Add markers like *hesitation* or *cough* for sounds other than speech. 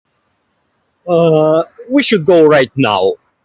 *hesitation* we should go right now